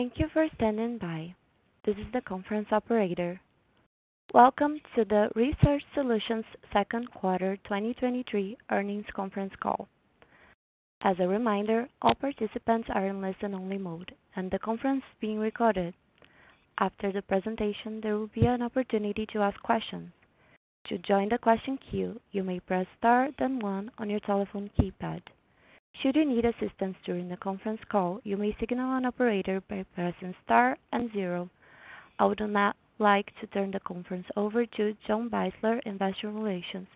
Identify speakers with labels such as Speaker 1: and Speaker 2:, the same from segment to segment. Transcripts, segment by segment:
Speaker 1: Thank you for standing by. This is the conference operator. Welcome to the Research Solutions second quarter 2023 earnings conference call. As a reminder, all participants are in listen-only mode, and the conference is being recorded. After the presentation, there will be an opportunity to ask questions. To join the question queue, you may press Star then one on your telephone keypad. Should you need assistance during the conference call, you may signal an operator by pressing Star and zero. I would now like to turn the conference over to John Beisler in investor relations.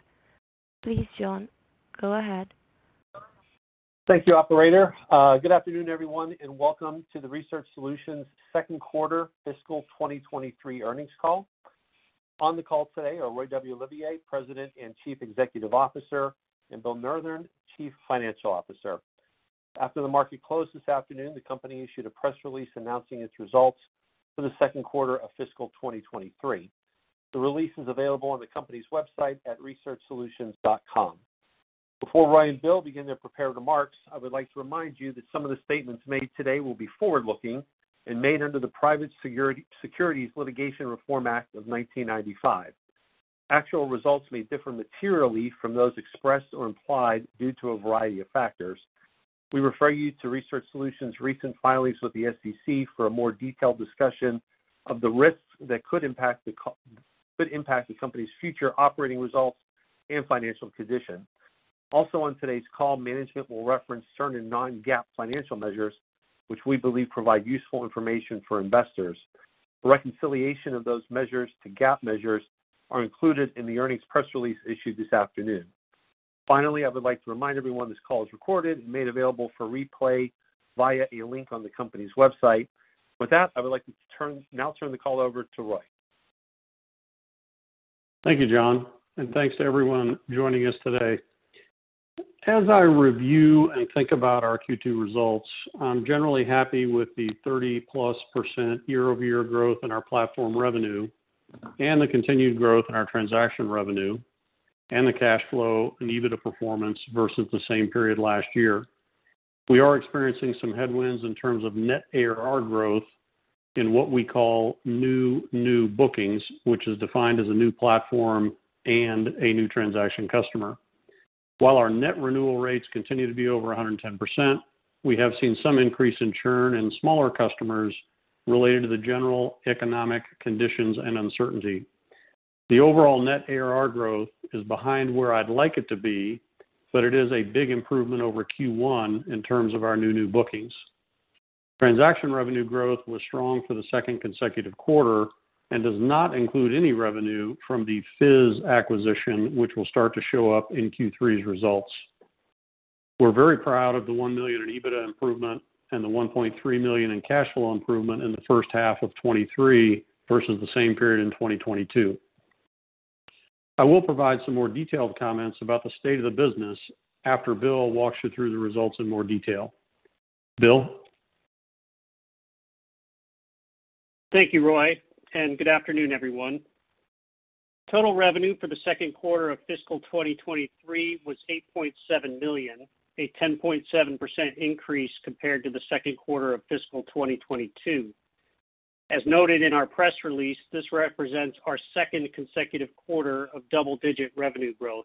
Speaker 1: Please, John, go ahead.
Speaker 2: Thank you, operator. Good afternoon, everyone, and welcome to the Research Solutions second quarter fiscal 2023 earnings call. On the call today are Roy W. Olivier, President and Chief Executive Officer, and Bill Nurthen, Chief Financial Officer. After the market closed this afternoon, the company issued a press release announcing its results for the second quarter of fiscal 2023. The release is available on the company's website at researchsolutions.com. Before Roy and Bill begin their prepared remarks, I would like to remind you that some of the statements made today will be forward-looking and made under the Private Securities Litigation Reform Act of 1995. Actual results may differ materially from those expressed or implied due to a variety of factors. We refer you to Research Solutions' recent filings with the SEC for a more detailed discussion of the risks that could impact the company's future operating results and financial condition. On today's call, management will reference certain non-GAAP financial measures, which we believe provide useful information for investors. The reconciliation of those measures to GAAP measures are included in the earnings press release issued this afternoon. I would like to remind everyone this call is recorded and made available for replay via a link on the company's website. I would like to now turn the call over to Roy.
Speaker 3: Thank you, John, and thanks to everyone joining us today. As I review and think about our Q2 results, I'm generally happy with the 30+% year-over-year growth in our platform revenue and the continued growth in our transaction revenue and the cash flow and EBITDA performance versus the same period last year. We are experiencing some headwinds in terms of net ARR growth in what we call new bookings, which is defined as a new platform and a new transaction customer. While our net renewal rates continue to be over 110%, we have seen some increase in churn in smaller customers related to the general economic conditions and uncertainty. The overall net ARR growth is behind where I'd like it to be, it is a big improvement over Q1 in terms of our new bookings. Transaction revenue growth was strong for the second consecutive quarter and does not include any revenue from the FIZ acquisition, which will start to show up in Q3's results. We're very proud of the $1 million in EBITDA improvement and the $1.3 million in cash flow improvement in the first half of 2023 versus the same period in 2022. I will provide some more detailed comments about the state of the business after Bill walks you through the results in more detail. Bill?
Speaker 4: Thank you, Roy, and good afternoon, everyone. Total revenue for the second quarter of fiscal 2023 was $8.7 million, a 10.7% increase compared to the second quarter of fiscal 2022. As noted in our press release, this represents our second consecutive quarter of double-digit revenue growth.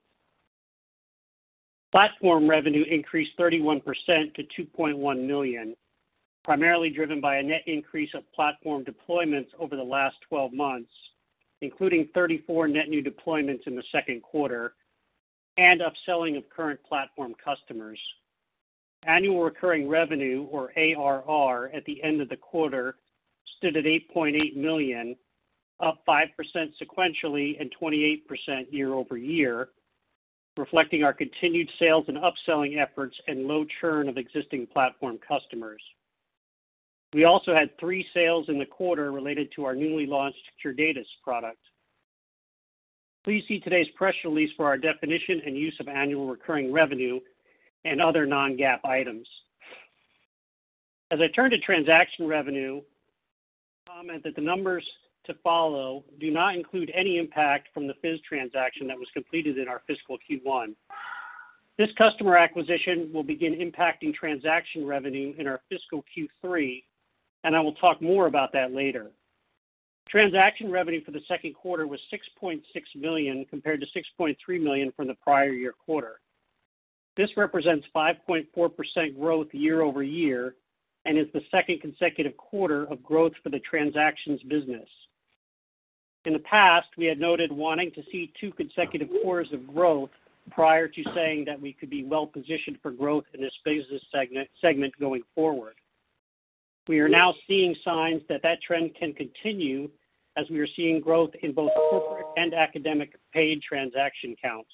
Speaker 4: Platform revenue increased 31% to $2.1 million, primarily driven by a net increase of platform deployments over the last 12 months, including 34 net new deployments in the second quarter and upselling of current platform customers. Annual recurring revenue, or ARR, at the end of the quarter stood at $8.8 million, up 5% sequentially and 28% year-over-year, reflecting our continued sales and upselling efforts and low churn of existing platform customers. We also had three sales in the quarter related to our newly launched Curatus product. Please see today's press release for our definition and use of annual recurring revenue and other non-GAAP items. As I turn to transaction revenue, I'll comment that the numbers to follow do not include any impact from the FIZ transaction that was completed in our fiscal Q1. This customer acquisition will begin impacting transaction revenue in our fiscal Q3, and I will talk more about that later. Transaction revenue for the second quarter was $6.6 million, compared to $6.3 million from the prior year quarter. This represents 5.4% growth year-over-year and is the second consecutive quarter of growth for the transactions business. In the past, we had noted wanting to see two consecutive quarters of growth prior to saying that we could be well-positioned for growth in this business segment going forward. We are now seeing signs that that trend can continue as we are seeing growth in both corporate and academic paid transaction counts.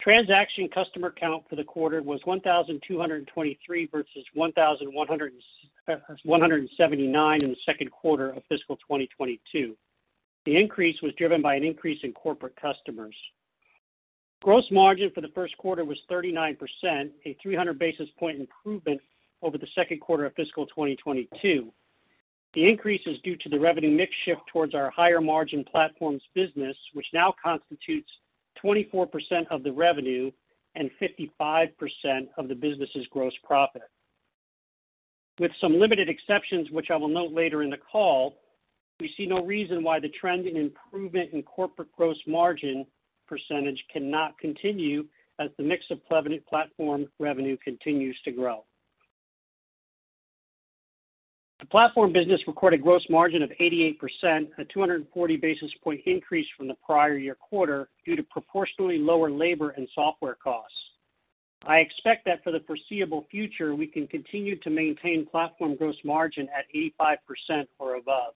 Speaker 4: Transaction customer count for the quarter was 1,223 versus 1,179 in the second quarter of fiscal 2022. The increase was driven by an increase in corporate customers. Gross margin for the first quarter was 39%, a 300 basis point improvement over the second quarter of fiscal 2022. The increase is due to the revenue mix shift towards our higher margin platforms business, which now constitutes 24% of the revenue and 55% of the business's gross profit. With some limited exceptions, which I will note later in the call, we see no reason why the trend in improvement in corporate gross margin % cannot continue as the mix of relevant Platform revenue continues to grow. The Platform business recorded gross margin of 88%, a 240 basis point increase from the prior year quarter due to proportionally lower labor and software costs. I expect that for the foreseeable future, we can continue to maintain Platform gross margin at 85% or above.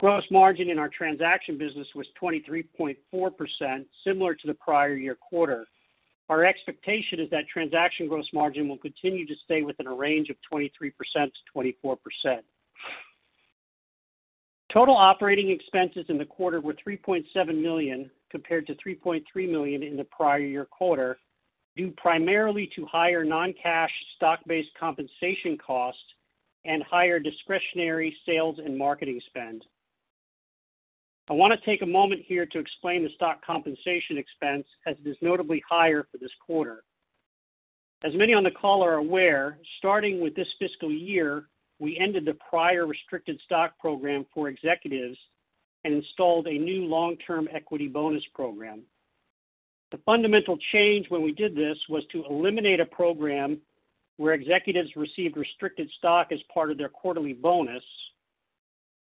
Speaker 4: Gross margin in our transaction business was 23.4%, similar to the prior year quarter. Our expectation is that transaction gross margin will continue to stay within a range of 23%-24%. Total operating expenses in the quarter were $3.7 million, compared to $3.3 million in the prior year quarter, due primarily to higher non-cash stock-based compensation costs and higher discretionary sales and marketing spend. I want to take a moment here to explain the stock compensation expense as it is notably higher for this quarter. As many on the call are aware, starting with this fiscal year, we ended the prior restricted stock program for executives and installed a new long-term equity bonus program. The fundamental change when we did this was to eliminate a program where executives received restricted stock as part of their quarterly bonus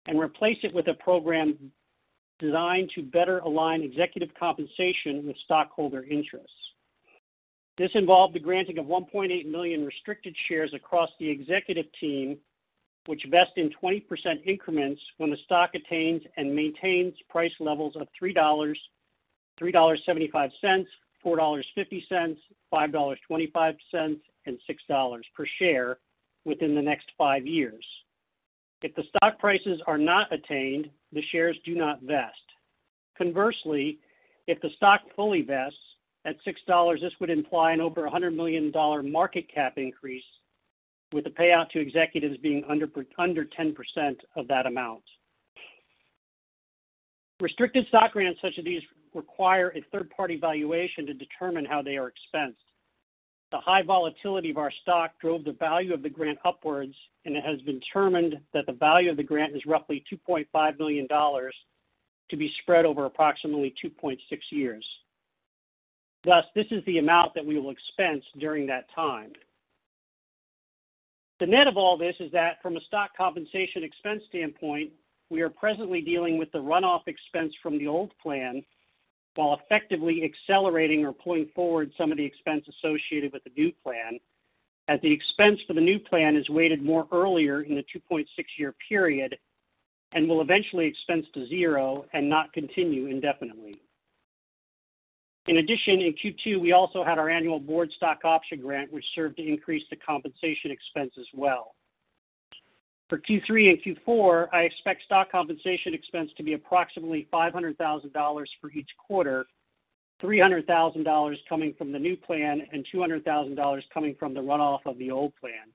Speaker 4: and replace it with a program designed to better align executive compensation with stockholder interests. This involved the granting of 1.8 million restricted shares across the executive team, which vest in 20% increments when the stock attains and maintains price levels of $3, $3.75, $4.50, $5.25, and $6 per share within the next five years. If the stock prices are not attained, the shares do not vest. Conversely, if the stock fully vests at $6, this would imply an over a $100 million market cap increase, with the payout to executives being under ten percent of that amount. Restricted stock grants such as these require a third-party valuation to determine how they are expensed. The high volatility of our stock drove the value of the grant upwards. It has been determined that the value of the grant is roughly $2.5 million to be spread over approximately 2.6 years. This is the amount that we will expense during that time. The net of all this is that from a stock compensation expense standpoint, we are presently dealing with the runoff expense from the old plan while effectively accelerating or pulling forward some of the expense associated with the new plan as the expense for the new plan is weighted more earlier in the 2.6-year period and will eventually expense to zero and not continue indefinitely. In addition, in Q2, we also had our annual board stock option grant, which served to increase the compensation expense as well. For Q3 and Q4, I expect stock compensation expense to be approximately $500,000 for each quarter, $300,000 coming from the new plan and $200,000 coming from the runoff of the old plan.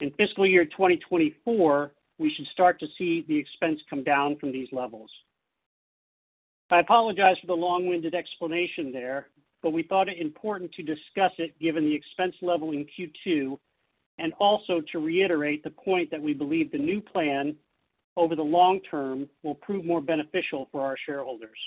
Speaker 4: In fiscal year 2024, we should start to see the expense come down from these levels. I apologize for the long-winded explanation there, but we thought it important to discuss it given the expense level in Q2, and also to reiterate the point that we believe the new plan over the long term will prove more beneficial for our shareholders.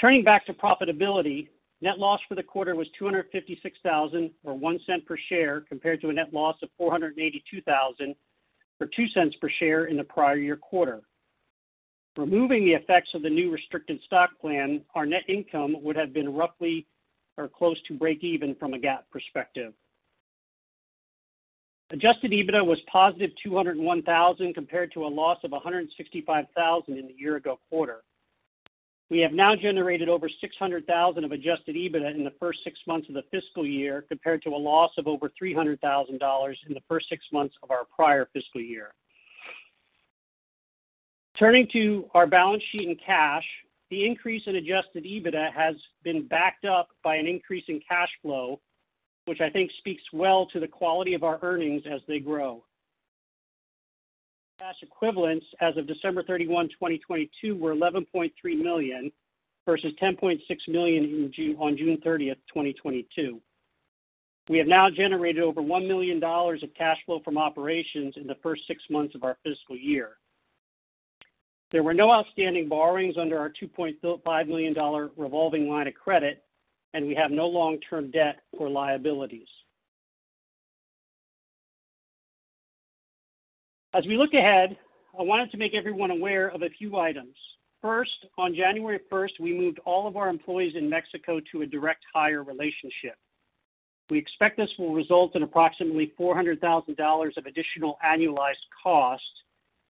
Speaker 4: Turning back to profitability, net loss for the quarter was $256,000 or $0.01 per share, compared to a net loss of $482,000 or $0.02 per share in the prior year quarter. Removing the effects of the new restricted stock plan, our net income would have been roughly or close to breakeven from a GAAP perspective. Adjusted EBITDA was positive $201 thousand, compared to a loss of $165 thousand in the year ago quarter. We have now generated over $600 thousand of adjusted EBITDA in the first 6 months of the fiscal year, compared to a loss of over $300 thousand in the first 6 months of our prior fiscal year. Turning to our balance sheet and cash, the increase in adjusted EBITDA has been backed up by an increase in cash flow, which I think speaks well to the quality of our earnings as they grow. Cash equivalents as of December 31, 2022 were $11.3 million versus $10.6 million on June 30, 2022. We have now generated over $1 million of cash flow from operations in the first six months of our fiscal year. There were no outstanding borrowings under our $2.5 million revolving line of credit. We have no long-term debt or liabilities. As we look ahead, I wanted to make everyone aware of a few items. First, on January first, we moved all of our employees in Mexico to a direct hire relationship. We expect this will result in approximately $400,000 of additional annualized costs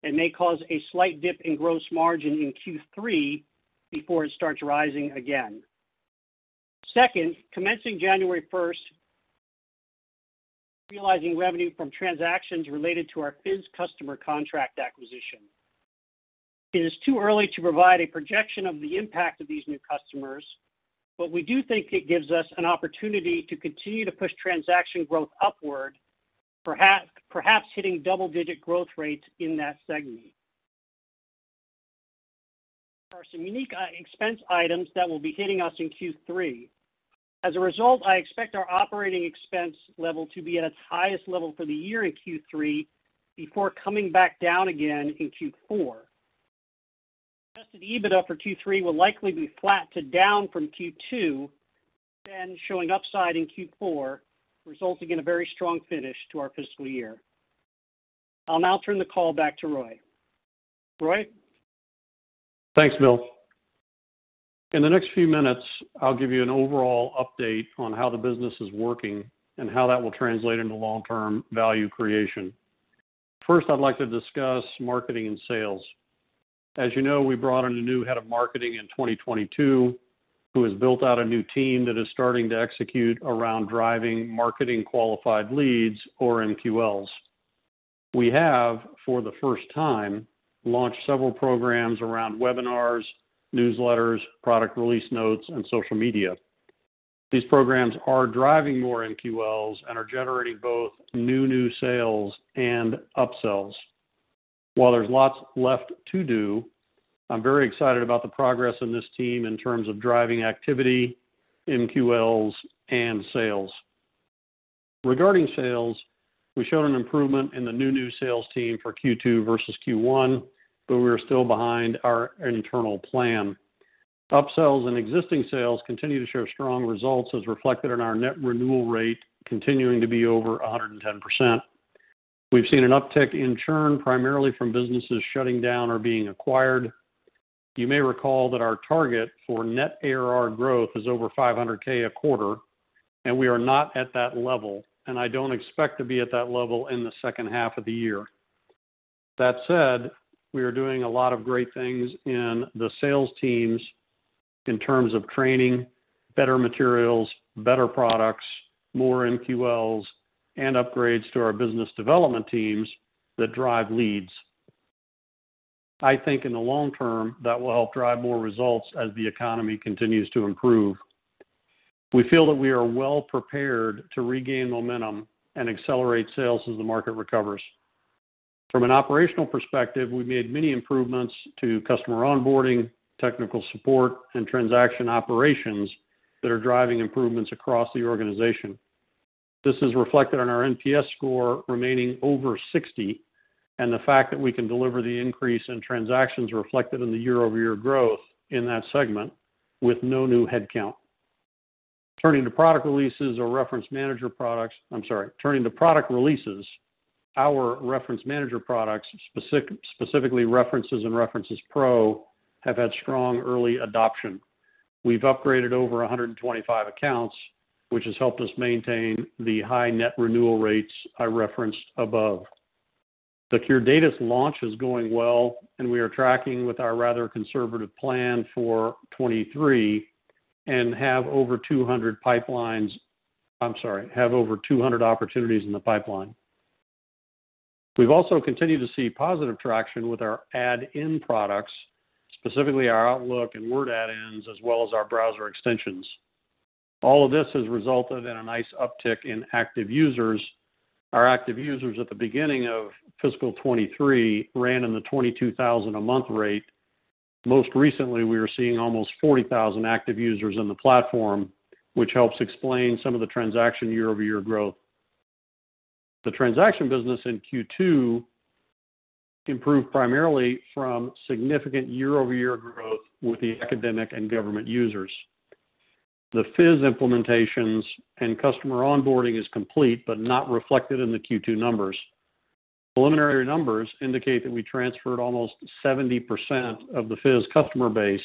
Speaker 4: and may cause a slight dip in gross margin in Q3 before it starts rising again. Second, commencing January 1st, realizing revenue from transactions related to our FIZ customer contract acquisition. It is too early to provide a projection of the impact of these new customers, but we do think it gives us an opportunity to continue to push transaction growth upward, perhaps hitting double-digit growth rates in that segment. There are some unique, expense items that will be hitting us in Q3. As a result, I expect our operating expense level to be at its highest level for the year in Q3 before coming back down again in Q4. Adjusted EBITDA for Q3 will likely be flat to down from Q2, then showing upside in Q4, resulting in a very strong finish to our fiscal year. I'll now turn the call back to Roy. Roy?
Speaker 3: Thanks, Bill. In the next few minutes, I'll give you an overall update on how the business is working and how that will translate into long-term value creation. First, I'd like to discuss marketing and sales. As you know, we brought in a new head of marketing in 2022, who has built out a new team that is starting to execute around driving Marketing Qualified Leads or MQLs. We have, for the first time, launched several programs around webinars, newsletters, product release notes, and social media. These programs are driving more MQLs and are generating both new-new sales and upsells. While there's lots left to do, I'm very excited about the progress in this team in terms of driving activity, MQLs, and sales. Regarding sales, we showed an improvement in the new-new sales team for Q2 versus Q1, but we are still behind our internal plan. Upsells and existing sales continue to show strong results as reflected in our net renewal rate continuing to be over 110%. We've seen an uptick in churn primarily from businesses shutting down or being acquired. You may recall that our target for net ARR growth is over $500K a quarter. We are not at that level, and I don't expect to be at that level in the second half of the year. That said, we are doing a lot of great things in the sales teams in terms of training, better materials, better products, more MQLs, and upgrades to our business development teams that drive leads. I think in the long term, that will help drive more results as the economy continues to improve. We feel that we are well prepared to regain momentum and accelerate sales as the market recovers. From an operational perspective, we've made many improvements to customer onboarding, technical support, and transaction operations that are driving improvements across the organization. This is reflected in our NPS score remaining over 60 and the fact that we can deliver the increase in transactions reflected in the year-over-year growth in that segment with no new headcount. Turning to product releases, our reference manager products, specifically References and References Pro, have had strong early adoption. We've upgraded over 125 accounts, which has helped us maintain the high net renewal rates I referenced above. Secure Data's launch is going well, and we are tracking with our rather conservative plan for 2023 and have over 200 opportunities in the pipeline. We've also continued to see positive traction with our add-in products, specifically our Outlook and Word add-ins, as well as our browser extensions. All of this has resulted in a nice uptick in active users. Our active users at the beginning of fiscal 23 ran in the 22,000 a month rate. Most recently, we are seeing almost 40,000 active users in the platform, which helps explain some of the transaction year-over-year growth. The transaction business in Q2 improved primarily from significant year-over-year growth with the academic and government users. The FIZ implementations and customer onboarding is complete but not reflected in the Q2 numbers. Preliminary numbers indicate that we transferred almost 70% of the FIZ customer base,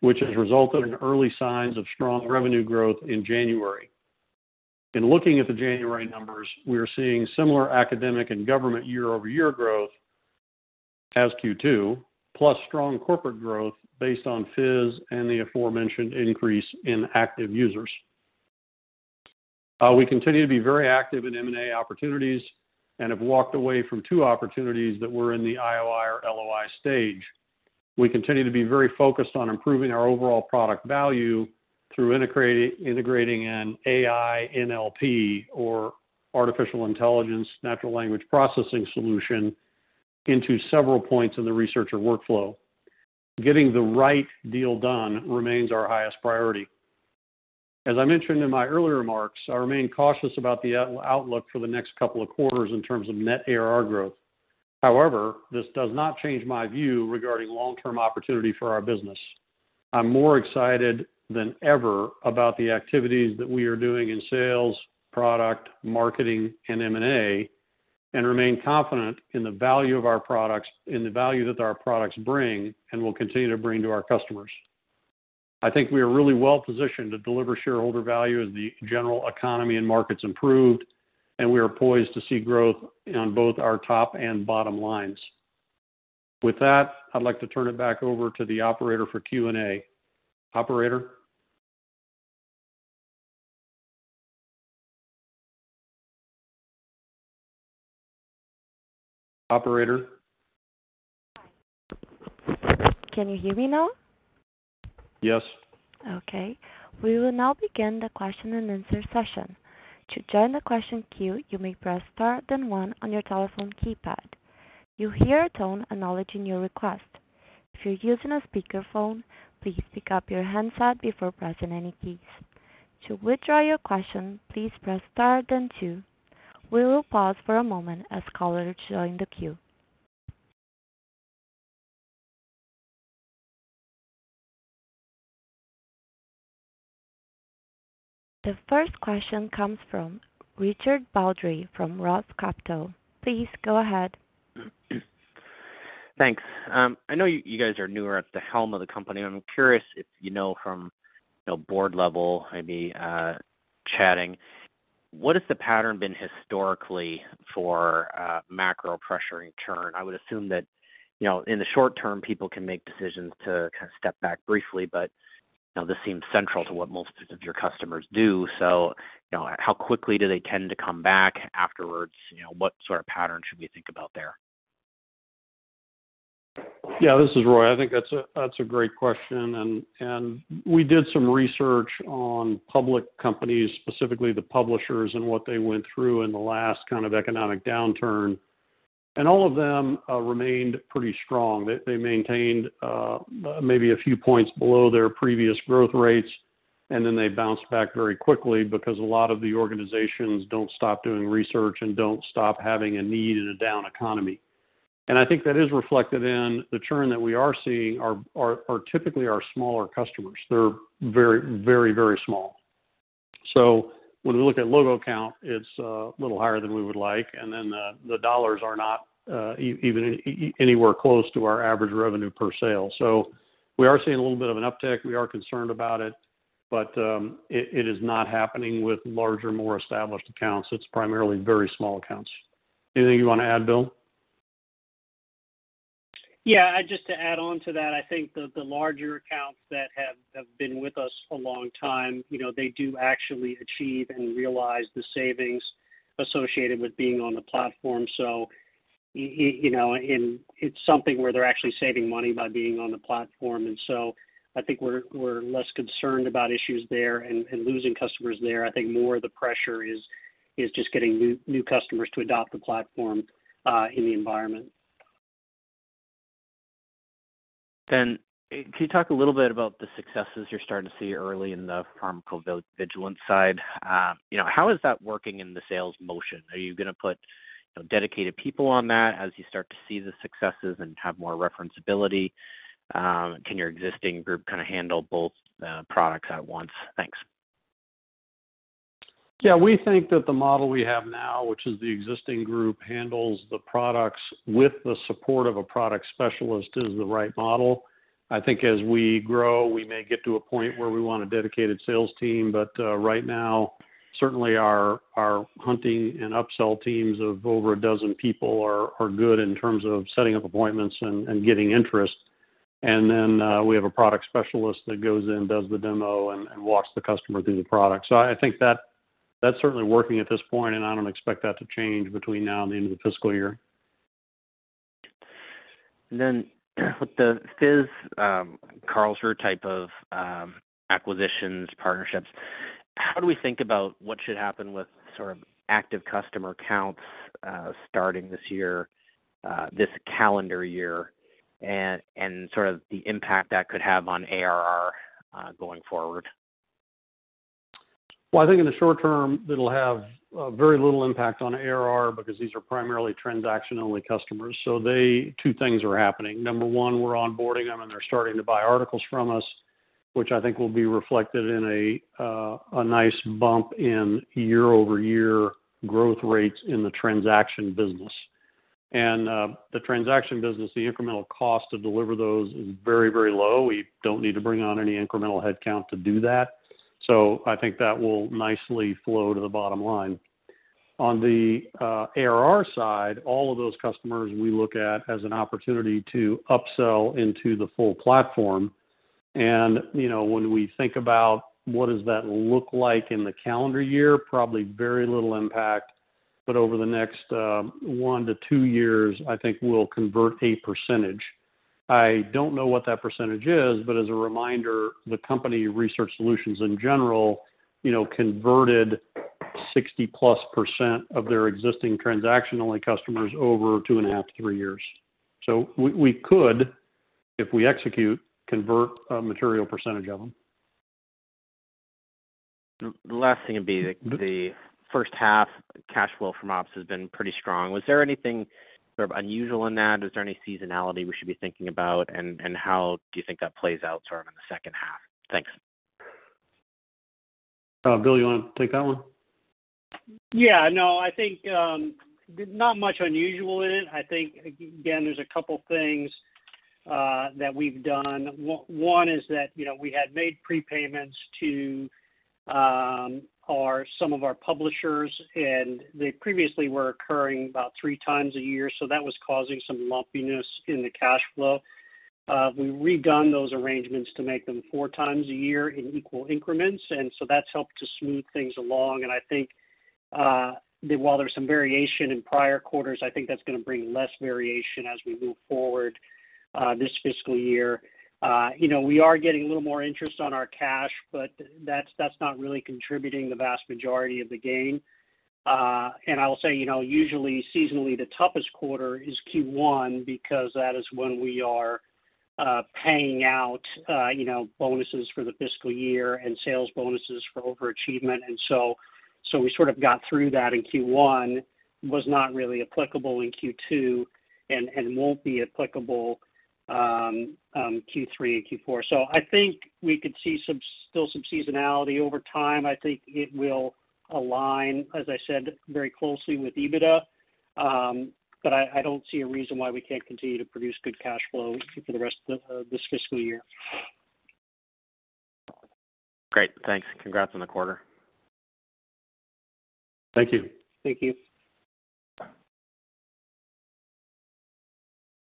Speaker 3: which has resulted in early signs of strong revenue growth in January. In looking at the January numbers, we are seeing similar academic and government year-over-year growth as Q2, plus strong corporate growth based on FIZ and the aforementioned increase in active users. We continue to be very active in M&A opportunities and have walked away from 2 opportunities that were in the IOI or LOI stage. We continue to be very focused on improving our overall product value through integrating an AI NLP or artificial intelligence natural language processing solution into several points in the researcher workflow. Getting the right deal done remains our highest priority. As I mentioned in my earlier remarks, I remain cautious about the outlook for the next couple of quarters in terms of net ARR growth. This does not change my view regarding long-term opportunity for our business. I'm more excited than ever about the activities that we are doing in sales, product, marketing, and M&A. Remain confident in the value of our products, in the value that our products bring and will continue to bring to our customers. I think we are really well-positioned to deliver shareholder value as the general economy and markets improve. We are poised to see growth on both our top and bottom lines. With that, I'd like to turn it back over to the operator for Q&A. Operator?
Speaker 1: Can you hear me now?
Speaker 3: Yes.
Speaker 1: Okay. We will now begin the question and answer session. To join the question queue, you may press star then one on your telephone keypad. You'll hear a tone acknowledging your request. If you're using a speakerphone, please pick up your handset before pressing any keys. To withdraw your question, please press star then two. We will pause for a moment as callers join the queue. The first question comes from Richard Baldry from ROTH Capital. Please go ahead.
Speaker 5: Thanks. I know you guys are newer at the helm of the company. I'm curious if you know from, you know, board level, maybe, chatting, what has the pattern been historically for, macro pressuring churn? I would assume that, you know, in the short term, people can make decisions to kind of step back briefly, but, you know, this seems central to what most of your customers do. You know, how quickly do they tend to come back afterwards? You know, what sort of pattern should we think about there?
Speaker 3: Yeah. This is Roy. I think that's a great question. We did some research on public companies, specifically the publishers and what they went through in the last kind of economic downturn. All of them remained pretty strong. They maintained maybe a few points below their previous growth rates, then they bounced back very quickly because a lot of the organizations don't stop doing research and don't stop having a need in a down economy. I think that is reflected in the churn that we are seeing are typically our smaller customers. They're very, very, very small. When we look at logo count, it's a little higher than we would like, the dollars are not even anywhere close to our average revenue per sale. We are seeing a little bit of an uptick. We are concerned about it, but, it is not happening with larger, more established accounts. It's primarily very small accounts. Anything you wanna add, Bill?
Speaker 4: Just to add on to that, I think the larger accounts that have been with us a long time, you know, they do actually achieve and realize the savings associated with being on the platform. You know, it's something where they're actually saving money by being on the platform. I think we're less concerned about issues there and losing customers there. I think more of the pressure is just getting new customers to adopt the platform in the environment.
Speaker 5: Can you talk a little bit about the successes you're starting to see early in the pharmacovigilance side? You know, how is that working in the sales motion? Are you gonna put, you know, dedicated people on that as you start to see the successes and have more referenceability? Can your existing group kinda handle both the products at once? Thanks.
Speaker 3: Yeah. We think that the model we have now, which is the existing group handles the products with the support of a product specialist, is the right model. I think as we grow, we may get to a point where we want a dedicated sales team, but right now, certainly our hunting and upsell teams of over a dozen people are good in terms of setting up appointments and getting interest. Then we have a product specialist that goes in, does the demo and walks the customer through the product. I think that's certainly working at this point, and I don't expect that to change between now and the end of the fiscal year.
Speaker 5: With the FIZ, [Carlser] type of acquisitions, partnerships, how do we think about what should happen with sort of active customer counts, starting this year, this calendar year and sort of the impact that could have on ARR, going forward?
Speaker 3: Well, I think in the short term, it'll have very little impact on ARR because these are primarily transaction-only customers. Two things are happening. Number one, we're onboarding them, and they're starting to buy articles from us, which I think will be reflected in a nice bump in year-over-year growth rates in the transaction business. The transaction business, the incremental cost to deliver those is very, very low. We don't need to bring on any incremental headcount to do that. I think that will nicely flow to the bottom line. On the ARR side, all of those customers we look at as an opportunity to upsell into the full platform. You know, when we think about what does that look like in the calendar year, probably very little impact. Over the next one to two years, I think we'll convert a percentage. I don't know what that percentage is. As a reminder, the company Research Solutions in general, you know, converted 60%+ of their existing transaction-only customers over 2.5 to three years. We could, if we execute, convert a material percentage of them.
Speaker 5: The last thing would be the first half cash flow from ops has been pretty strong. Was there anything sort of unusual in that? Is there any seasonality we should be thinking about? How do you think that plays out sort of in the second half? Thanks.
Speaker 3: Bill, you wanna take that one?
Speaker 4: Yeah. No, I think, not much unusual in it. I think, again, there's a couple things that we've done. One is that, you know, we had made prepayments to some of our publishers, and they previously were occurring about three times a year, so that was causing some lumpiness in the cash flow. We've redone those arrangements to make them four times a year in equal increments, and so that's helped to smooth things along. I think, while there's some variation in prior quarters, I think that's gonna bring less variation as we move forward, this fiscal year. You know, we are getting a little more interest on our cash, but that's not really contributing the vast majority of the gain. I will say, you know, usually seasonally, the toughest quarter is Q1 because that is when we are paying out, you know, bonuses for the fiscal year and sales bonuses for overachievement. We sort of got through that in Q1, was not really applicable in Q2, and won't be applicable, Q3 and Q4. I think we could see some, still some seasonality over time. I think it will align, as I said, very closely with EBITDA. I don't see a reason why we can't continue to produce good cash flow for the rest of this fiscal year.
Speaker 5: Great. Thanks. Congrats on the quarter.
Speaker 3: Thank you.
Speaker 4: Thank you.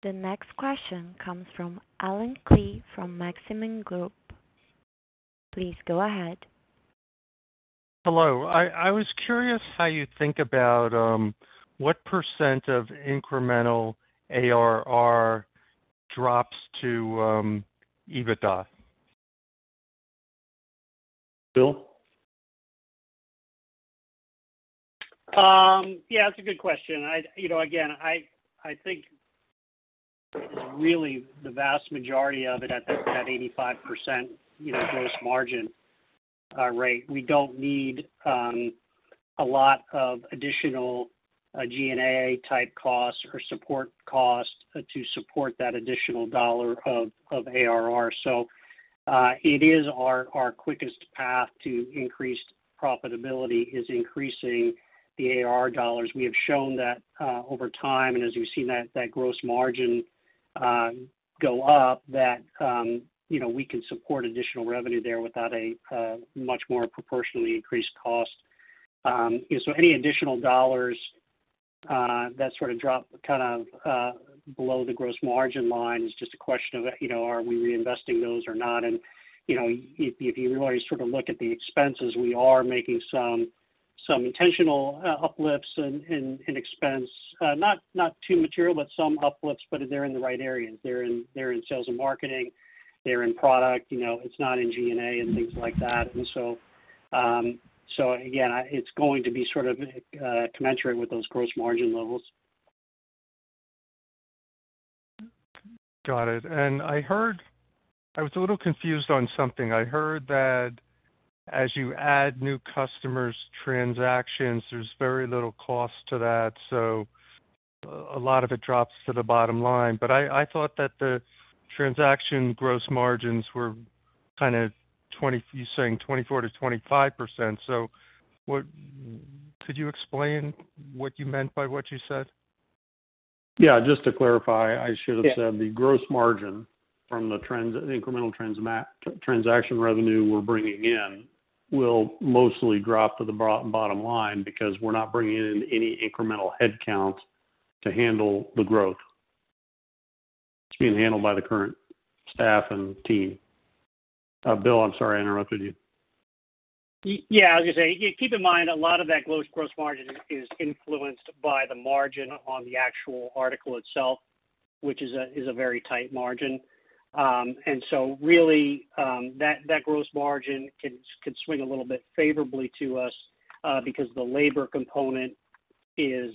Speaker 1: The next question comes from Allen Klee from Maxim Group. Please go ahead.
Speaker 6: Hello. I was curious how you think about what % of incremental ARR drops to EBITDA.
Speaker 3: Bill?
Speaker 4: Yeah, that's a good question. You know, again, I think really the vast majority of it at that 85%, you know, gross margin rate. We don't need a lot of additional G&A-type costs or support costs to support that additional dollar of ARR. It is our quickest path to increased profitability is increasing the ARR dollars. We have shown that over time, and as we've seen that gross margin go up, that, you know, we can support additional revenue there without a much more proportionally increased cost. Any additional dollars that sort of drop kind of below the gross margin line is just a question of, you know, are we reinvesting those or not? You know, if you really sort of look at the expenses, we are making some intentional uplifts in expense. Not too material, but some uplifts, but they're in the right areas. They're in sales and marketing, they're in product, you know, it's not in G&A and things like that. So again, it's going to be sort of commensurate with those gross margin levels.
Speaker 6: Got it. I was a little confused on something. I heard that as you add new customers' transactions, there's very little cost to that, so a lot of it drops to the bottom line. I thought that the transaction gross margins were kind of 24%-25%. Could you explain what you meant by what you said?
Speaker 3: Yeah. Just to clarify, I should have said the gross margin from the incremental transaction revenue we're bringing in will mostly drop to the bottom line because we're not bringing in any incremental headcount to handle the growth. It's being handled by the current staff and team. Bill, I'm sorry I interrupted you.
Speaker 4: Yeah. I was gonna say, keep in mind, a lot of that gross margin is influenced by the margin on the actual article itself, which is a very tight margin. Really, that gross margin can swing a little bit favorably to us, because the labor component is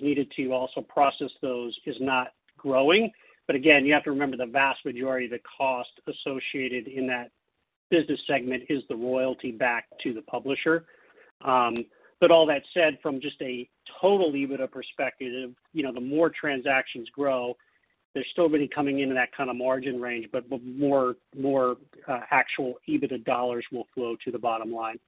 Speaker 4: needed to also process those is not growing. Again, you have to remember the vast majority of the cost associated in that business segment is the royalty back to the publisher. All that said, from just a total EBITDA perspective, you know, the more transactions grow, there's still gonna be coming into that kinda margin range, but more actual EBITDA dollars will flow to the bottom line.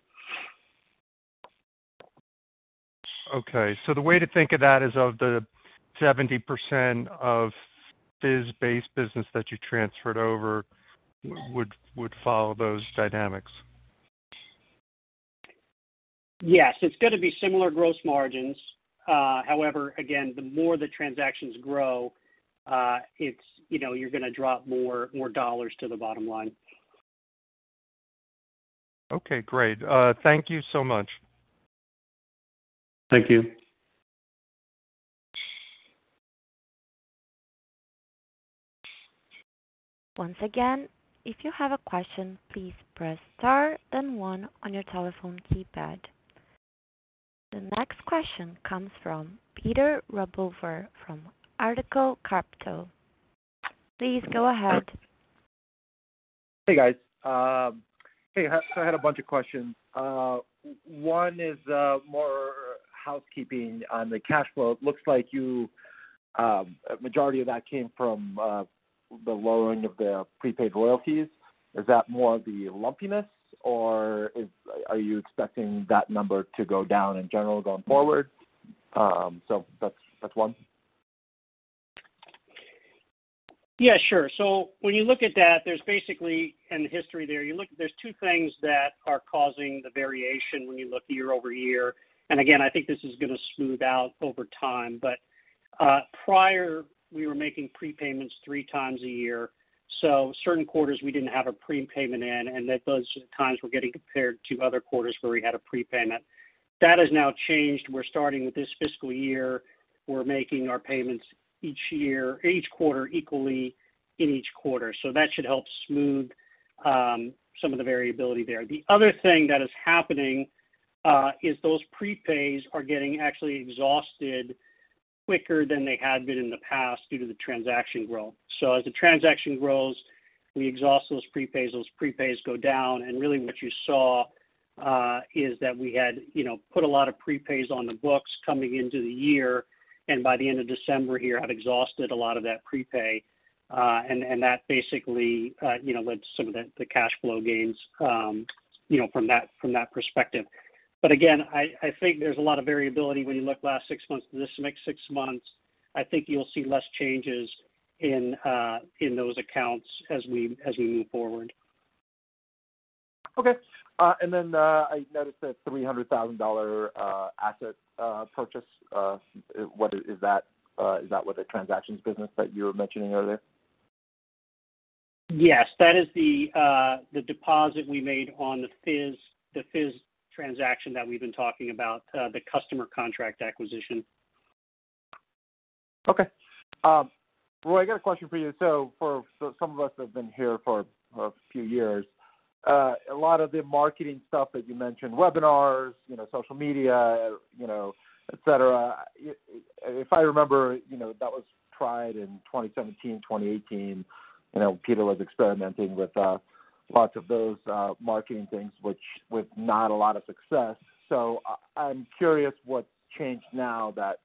Speaker 6: The way to think of that is of the 70% of FIZ base business that you transferred over would follow those dynamics.
Speaker 4: Yes. It's gonna be similar gross margins. However, again, the more the transactions grow, it's, you know, you're gonna drop more dollars to the bottom line.
Speaker 6: Okay, great. Thank you so much.
Speaker 3: Thank you.
Speaker 1: Once again, if you have a question, please press Star then one on your telephone keypad. The next question comes from Peter Rabover from Artko Capital. Please go ahead.
Speaker 7: Hey, guys. Hey, I had a bunch of questions. One is more housekeeping on the cash flow. It looks like you a majority of that came from the lowering of the prepaid royalties. Is that more the lumpiness or are you expecting that number to go down in general going forward? That's, that's one.
Speaker 4: Yeah, sure. When you look at that, there's basically... In the history there, you look, there's two things that are causing the variation when you look year-over-year. Again, I think this is gonna smooth out over time. Prior, we were making prepayments three times a year, so certain quarters we didn't have a prepayment in, and that those times were getting compared to other quarters where we had a prepayment. That has now changed. We're starting with this fiscal year, we're making our payments each quarter equally in each quarter. That should help smooth some of the variability there. The other thing that is happening, is those prepays are getting actually exhausted quicker than they had been in the past due to the transaction growth. As the transaction grows, we exhaust those prepays, those prepays go down. Really what you saw, you know, is that we had, you know, put a lot of prepays on the books coming into the year, and by the end of December here, had exhausted a lot of that prepay. That basically, you know, led to some of the cash flow gains, you know, from that, from that perspective. Again, I think there's a lot of variability when you look last six months to this next six months. I think you'll see less changes in those accounts as we, as we move forward.
Speaker 7: Okay. I noticed that $300,000 asset purchase. Is that with the transactions business that you were mentioning earlier?
Speaker 4: Yes. That is the deposit we made on the FIZ transaction that we've been talking about, the customer contract acquisition.
Speaker 7: Roy, I got a question for you. For some of us that have been here for a few years, a lot of the marketing stuff that you mentioned, webinars, you know, social media, you know, et cetera. If I remember, you know, that was tried in 2017, 2018. You know, Peter was experimenting with lots of those marketing things, which with not a lot of success. I'm curious what's changed now that,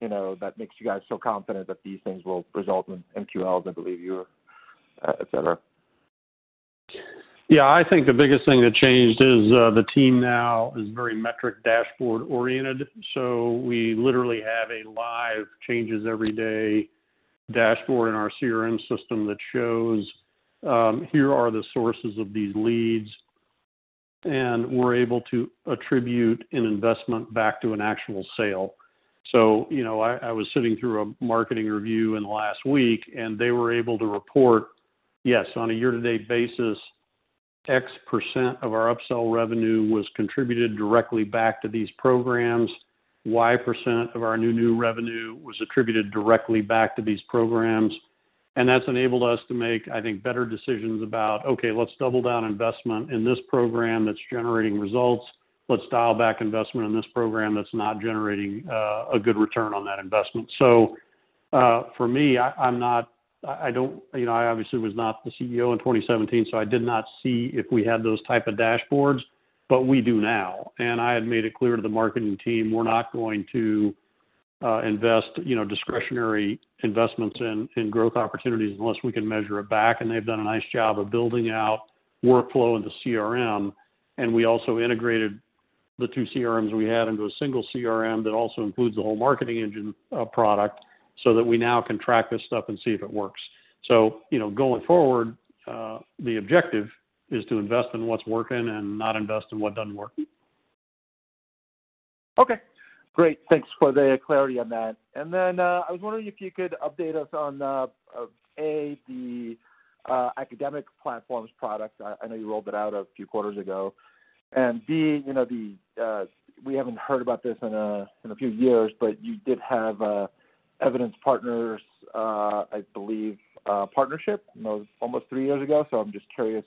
Speaker 7: you know, that makes you guys so confident that these things will result in MQLs, I believe you... et cetera.
Speaker 3: Yeah. I think the biggest thing that changed is the team now is very metric dashboard oriented. We literally have a live changes-every-day dashboard in our CRM system that shows, here are the sources of these leads, and we're able to attribute an investment back to an actual sale. You know, I was sitting through a marketing review in the last week, and they were able to report, yes, on a year-to-date basis, X% of our upsell revenue was contributed directly back to these programs, Y% of our new revenue was attributed directly back to these programs. That's enabled us to make, I think, better decisions about, okay, let's double down investment in this program that's generating results. Let's dial back investment in this program that's not generating a good return on that investment. For me, I don't, you know, I obviously was not the CEO in 2017, so I did not see if we had those type of dashboards, but we do now. I had made it clear to the marketing team, we're not going to invest, you know, discretionary investments in growth opportunities unless we can measure it back. They've done a nice job of building out workflow into CRM. We also integrated the two CRMs we had into a single CRM that also includes the whole marketing engine product, so that we now can track this stuff and see if it works. You know, going forward, the objective is to invest in what's working and not invest in what doesn't work.
Speaker 7: Okay. Great. Thanks for the clarity on that. I was wondering if you could update us on A, the academic platforms product. I know you rolled it out a few quarters ago. B, you know, we haven't heard about this in a few years, but you did have Evidence partners, I believe, partnership, you know, almost three years ago. I'm just curious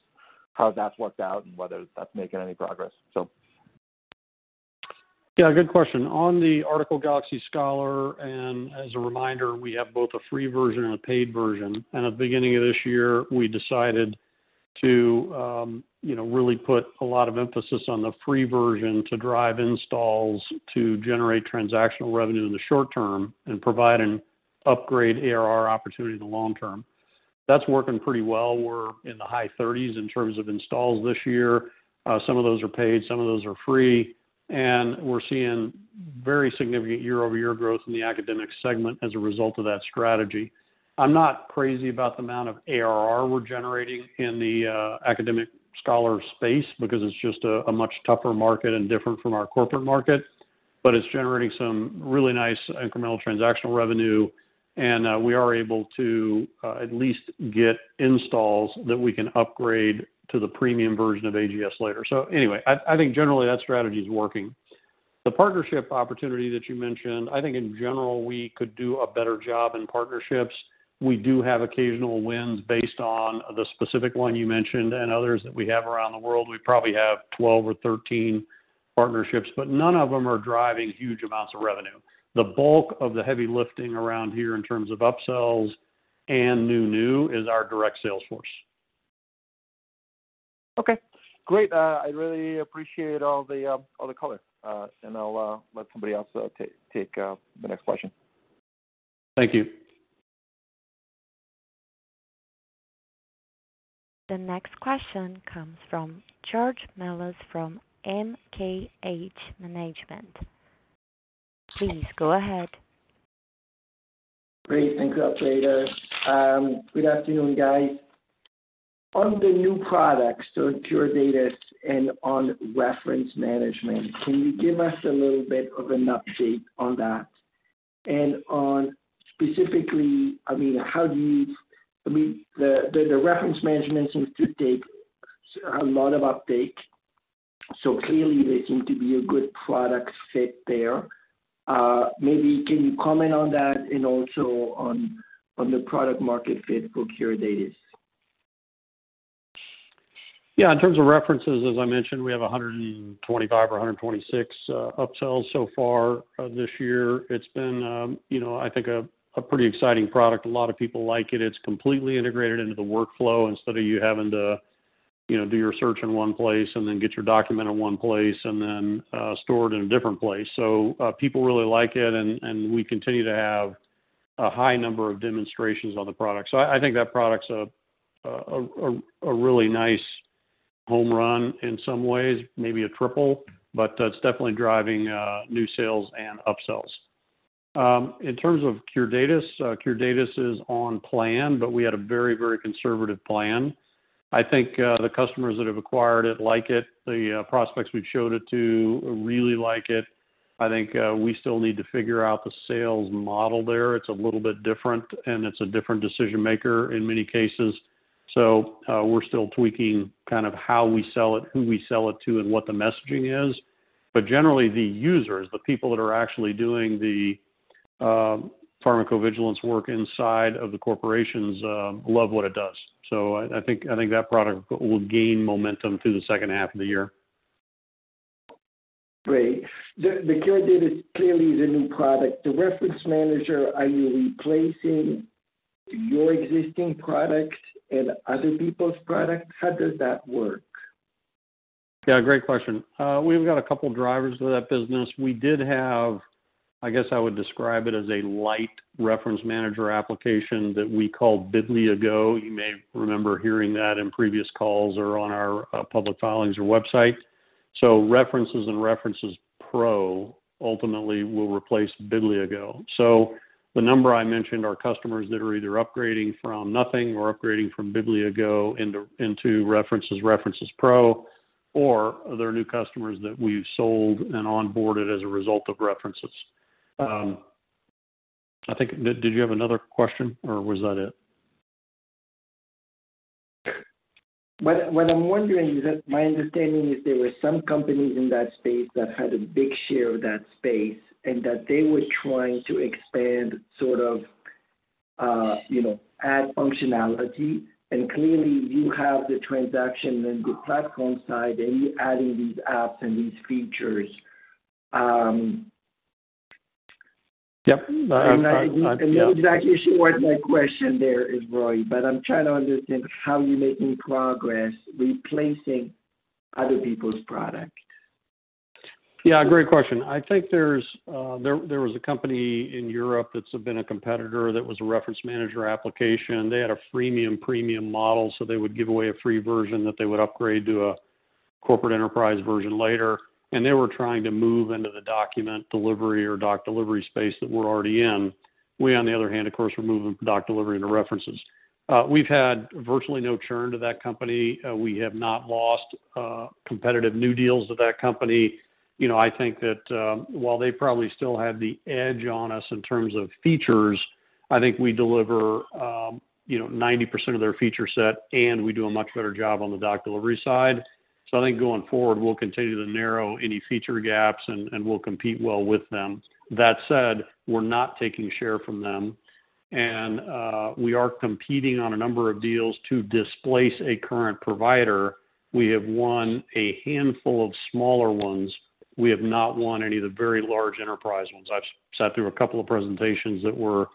Speaker 7: how that's worked out and whether that's making any progress.
Speaker 3: Yeah, good question. On the Article Galaxy Scholar, as a reminder, we have both a free version and a paid version. At the beginning of this year, we decided to, you know, really put a lot of emphasis on the free version to drive installs to generate transactional revenue in the short term and provide an upgrade ARR opportunity in the long term. That's working pretty well. We're in the high 30s in terms of installs this year. Some of those are paid, some of those are free, and we're seeing very significant year-over-year growth in the academic segment as a result of that strategy. I'm not crazy about the amount of ARR we're generating in the Academic Scholar space because it's just a much tougher market and different from our corporate market, but it's generating some really nice incremental transactional revenue. We are able to at least get installs that we can upgrade to the premium version of AGS later. Anyway, I think generally that strategy is working. The partnership opportunity that you mentioned, I think in general, we could do a better job in partnerships. We do have occasional wins based on the specific one you mentioned and others that we have around the world. We probably have 12 or 13 partnerships, but none of them are driving huge amounts of revenue. The bulk of the heavy lifting around here in terms of upsells and new is our direct sales force.
Speaker 7: Okay, great. I really appreciate all the, all the color. I'll let somebody else take the next question.
Speaker 3: Thank you.
Speaker 1: The next question comes from George Melas-Kyriazi from MKH Management. Please go ahead.
Speaker 8: Thanks, operator. Good afternoon, guys. On the new products, so Bibliogo and on reference management, can you give us a little bit of an update on that? On specifically, I mean, the reference management seems to take a lot of uptake, so clearly they seem to be a good product fit there. Maybe can you comment on that and also on the product market fit for Curatus?
Speaker 3: Yeah. In terms of References, as I mentioned, we have 125 or 126 upsells so far this year. It's been, you know, I think a pretty exciting product. A lot of people like it. It's completely integrated into the workflow instead of you having to, you know, do your search in one place and then get your document in one place and then store it in a different place. People really like it and we continue to have a high number of demonstrations on the product. I think that product's a really nice home run in some ways, maybe a triple, but it's definitely driving new sales and upsells. In terms of Curatus is on plan, but we had a very, very conservative plan. I think the customers that have acquired it like it, the prospects we've showed it to really like it. I think we still need to figure out the sales model there. It's a little bit different, and it's a different decision maker in many cases. We're still tweaking kind of how we sell it, who we sell it to, and what the messaging is. Generally, the users, the people that are actually doing the pharmacovigilance work inside of the corporations, love what it does. I think that product will gain momentum through the second half of the year.
Speaker 8: Great. The Curatus clearly is a new product. The reference manager, are you replacing your existing products and other people's products? How does that work?
Speaker 3: Yeah, great question. We've got a couple of drivers for that business. We did have I guess I would describe it as a light reference manager application that we call Bibliogo. You may remember hearing that in previous calls or on our public filings or website. References and References Pro ultimately will replace Bibliogo. The number I mentioned are customers that are either upgrading from nothing or upgrading from Bibliogo into References Pro or other new customers that we've sold and onboarded as a result of References. I think. Did you have another question, or was that it?
Speaker 8: What I'm wondering is that my understanding is there were some companies in that space that had a big share of that space and that they were trying to expand sort of, you know, add functionality. Clearly you have the transaction and the platform side, and you're adding these apps and these features.
Speaker 3: Yep. I, yeah.
Speaker 8: I'm not exactly sure what my question there is, Roy, but I'm trying to understand how you're making progress replacing other people's product.
Speaker 3: Yeah, great question. I think there's, there was a company in Europe that's been a competitor that was a reference manager application. They had a freemium premium model, so they would give away a free version that they would upgrade to a corporate enterprise version later. They were trying to move into the document delivery or doc delivery space that we're already in. We, on the other hand, of course, we're moving doc delivery into References. We've had virtually no churn to that company. We have not lost, competitive new deals to that company. You know, I think that, while they probably still have the edge on us in terms of features, I think we deliver, you know, 90% of their feature set, and we do a much better job on the doc delivery side. I think going forward, we'll continue to narrow any feature gaps and we'll compete well with them. That said, we're not taking share from them, and we are competing on a number of deals to displace a current provider. We have won a handful of smaller ones. We have not won any of the very large enterprise ones. I've sat through a couple of presentations that were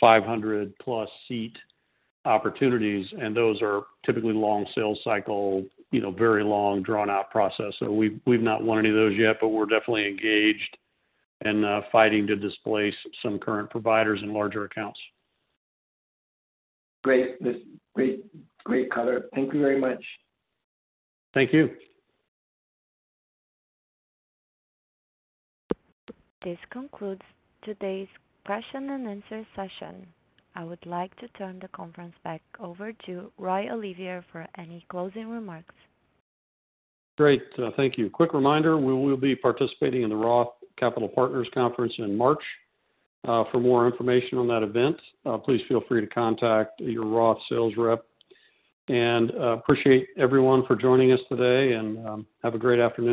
Speaker 3: 500 plus seat opportunities, and those are typically long sales cycle, you know, very long drawn out process. We've not won any of those yet, but we're definitely engaged and fighting to displace some current providers in larger accounts.
Speaker 8: Great. That's great color. Thank you very much.
Speaker 3: Thank you.
Speaker 1: This concludes today's question and answer session. I would like to turn the conference back over to Roy W. Olivier for any closing remarks.
Speaker 3: Great. Thank you. Quick reminder, we will be participating in the ROTH Capital Partners Conference in March. For more information on that event, please feel free to contact your ROTH sales rep. Appreciate everyone for joining us today, and have a great afternoon.